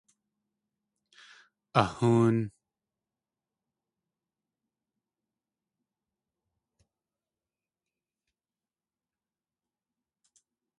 Ahóon.